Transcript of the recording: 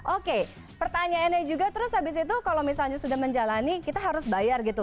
oke pertanyaannya juga terus habis itu kalau misalnya sudah menjalani kita harus bayar gitu